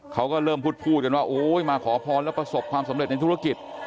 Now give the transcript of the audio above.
เขาก็เริ่มพูดกันว่าโอ้ยมาขอพรแล้วประสบความสำเร็จในธุรกิจ